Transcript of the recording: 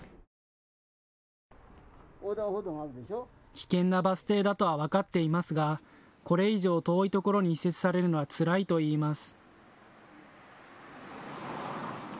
危険なバス停だとは分かっていますが、これ以上、遠いところに移設されるのはつらいといいます。